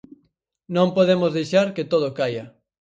Non podemos deixar que todo caia.